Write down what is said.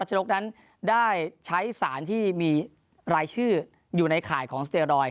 ชนกนั้นได้ใช้สารที่มีรายชื่ออยู่ในข่ายของสเตรอยด